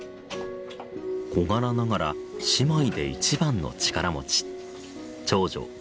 小柄ながら姉妹で一番の力持ち。